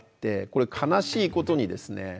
悲しいことにですね